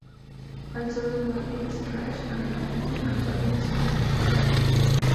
Al sur del valle Besh-Tash aledaño al Parque nacional del mismo nombre.